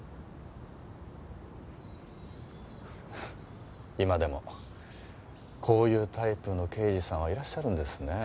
フッ今でもこういうタイプの刑事さんはいらっしゃるんですねえ。